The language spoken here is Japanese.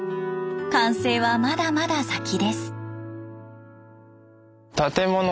完成はまだまだ先です。